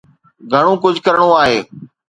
گهڻو ڪجهه ڪرڻو آهي.